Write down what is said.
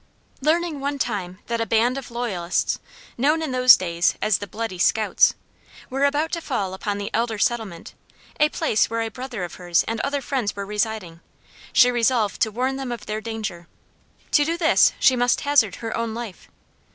Learning one time that a band of loyalists known in those days as the "Bloody Scouts" were about to fall upon the "Elder Settlement," a place where a brother of hers and other friends were residing, she resolved to warn them of their danger. To do this she must hazard her own life.